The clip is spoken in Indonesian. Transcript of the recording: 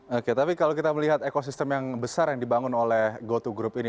oke tapi kalau kita melihat ekosistem yang besar yang dibangun oleh goto group ini